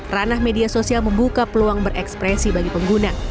ranah media sosial membuka peluang berekspresi bagi pengguna